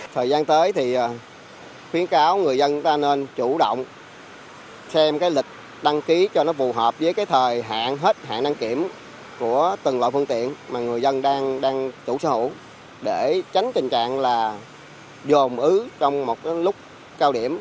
thời gian tới thì khuyến cáo người dân ta nên chủ động xem cái lịch đăng ký cho nó phù hợp với cái thời hạn hết hạn đăng kiểm của từng loại phương tiện mà người dân đang chủ sở hữu để tránh tình trạng là dồn ứ trong một lúc cao điểm